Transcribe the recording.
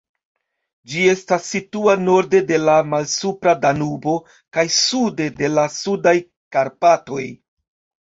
Ĝi estas situa norde de la Malsupra Danubo kaj sude de la Sudaj Karpatoj.